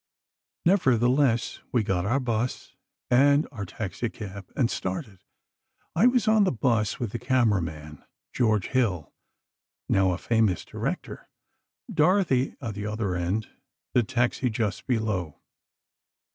"Nevertheless, we got our bus and our taxicab, and started. I was on the bus with the camera man—George Hill, now a famous director—Dorothy at the other end, the taxi just below.